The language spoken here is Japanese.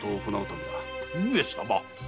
上様。